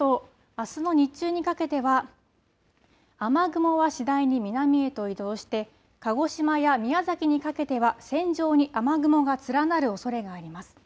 さらにこのあとあすの日中にかけては雨雲は次第に南へと移動して鹿児島や宮崎にかけては線状に雨雲が連なるおそれがあります。